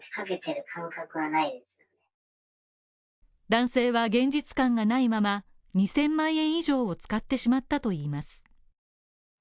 男性は現実感がないまま、２０００万円以上を使ってしまったといいます。